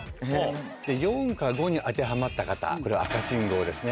４か５に当てはまった方これは赤信号ですね。